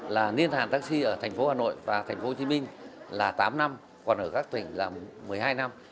là niên hạn taxi ở thành phố hà nội và thành phố hồ chí minh là tám năm còn ở các tỉnh là một mươi hai năm